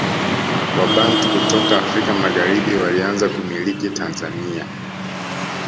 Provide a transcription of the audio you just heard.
Wabantu kutoka Afrika Magharibi walianza kumiliki Tanzania